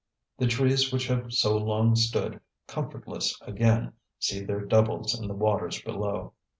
The trees which have so long stood comfortless again see their doubles in the waters below.